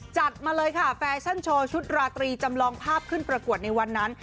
จัดมาเลยค่ะแฟชั่นโชว์ชุดราตรีจำลองภาพขึ้นประกวดในวันนั้น